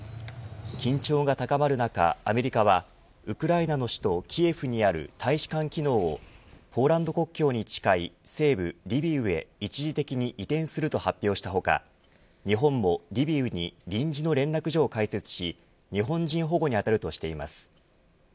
緊張が高まる中、アメリカはウクライナの首都キエフにある大使館機能をポーランド国境に近い西部リビウへ一時的に移転すると発表した他日本もリビウに臨時の連絡所を開設し日本人保護に当たるとしています。